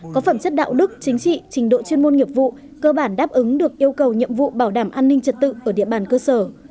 có phẩm chất đạo đức chính trị trình độ chuyên môn nghiệp vụ cơ bản đáp ứng được yêu cầu nhiệm vụ bảo đảm an ninh trật tự ở địa bàn cơ sở